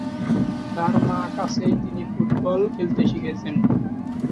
তার মা কাছেই তিনি ফুটবল খেলতে শিখেছেন।